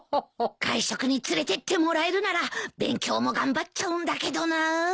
外食に連れてってもらえるなら勉強も頑張っちゃうんだけどな。